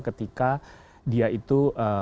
ketika dia itu